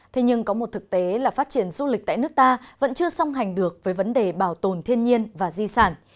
thế nhưng có một thực tế là phát triển du lịch tại nước ta vẫn chưa song hành được với vấn đề bảo tồn thiên nhiên và di sản